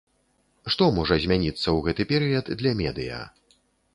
Што можа змяніцца ў гэты перыяд для медыя?